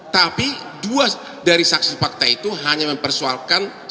tapi dua dari saksi fakta itu hanya mempersoalkan